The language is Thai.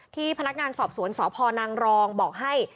ที่พนักงานสอบสวนสพนางรองบอกให้